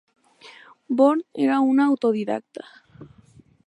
Born era un autodidacta.